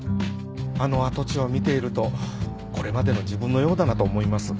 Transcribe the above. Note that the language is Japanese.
あの跡地を見ているとこれまでの自分のようだなと思います